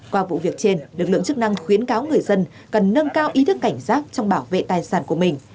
qua vụ việc trên lực lượng chức năng khuyến cáo người dân cần nâng cao ý thức cảnh giác trong bảo vệ tài sản của mình